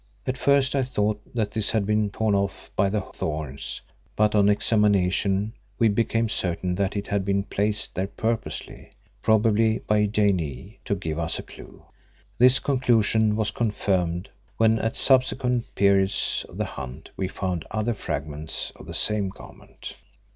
At first I thought that this had been torn off by the thorns, but on examination we became certain that it had been placed there purposely, probably by Janee, to give us a clue. This conclusion was confirmed when at subsequent periods of the hunt we found other fragments of the same garment.